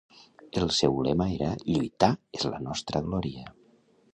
El seu lema era "Lluitar és la nostra glòria!"